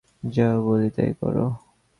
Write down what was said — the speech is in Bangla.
যা বলি তাই কর!